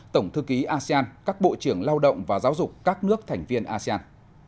tổng thư ký asean các bộ trưởng lao động và giáo dục các nước thành viên asean